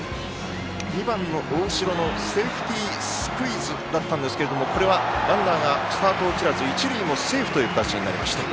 ２番の大城のセーフティースクイズだったんですけれどもこれはランナーがスタートを切らず一塁もセーフという形になりました。